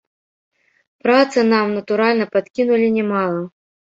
Працы нам, натуральна, падкінулі не мала.